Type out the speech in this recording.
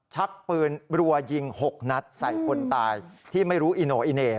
ชักปืนรัวยิง๖นัดใส่คนตายที่ไม่รู้อิโนอิเน่